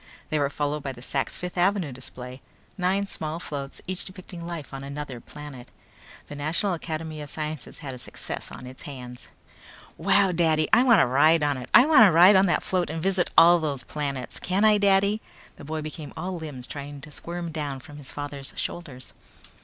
They were followed by the Sak's Fifth Avenue display; nine small floats, each depicting life on another planet. The National Academy of Sciences had a success on its hands. "Wow! Daddy, I wanna ride on it! I wanna ride on that float and visit all those planets! Can I, Daddy!" The boy became all limbs trying to squirm down from his father's shoulders.